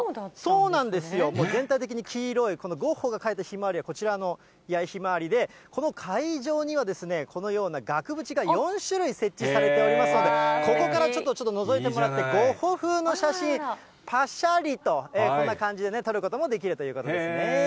そうなんですよ、全体的に黄色い、このゴッホの描いたひまわりは、こちらの八重ひまわりで、この会場にはですね、このような額縁が４種類設置されておりますので、ここからちょっとのぞいてもらって、ゴッホ風の写真、ぱしゃりと、こんな感じで撮ることもできるということですね。